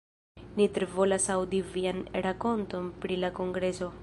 Ni tre volas aŭdi vian rakonton pri la kongreso.